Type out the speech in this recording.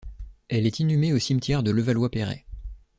Elle est inhumée au cimetière de Levallois-Perret.